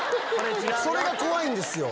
それが怖いんですよ。